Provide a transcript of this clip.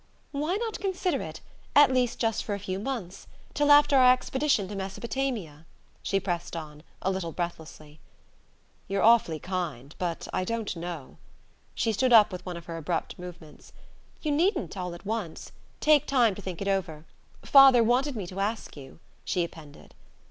"Why not consider it at least just for a few months? Till after our expedition to Mesopotamia?" she pressed on, a little breathlessly. "You're awfully kind: but I don't know " She stood up with one of her abrupt movements. "You needn't, all at once. Take time think it over. Father wanted me to ask you," she appended.